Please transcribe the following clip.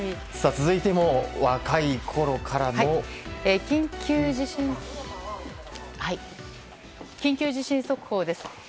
続いても若いころからの。緊急地震速報です。